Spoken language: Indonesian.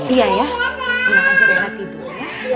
ia akan segera tidur ya